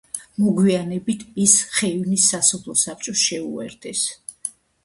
მოგვიანებით, ის ხეივნის სასოფლო საბჭოს შეუერთეს.